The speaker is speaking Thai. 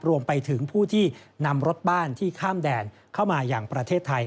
รวมไปถึงผู้ที่นำรถบ้านที่ข้ามแดนเข้ามาอย่างประเทศไทย